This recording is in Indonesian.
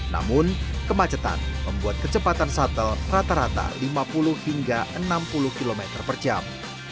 namun kemacetan membuat kecepatan shuttle rata rata lima puluh hingga enam puluh km per jam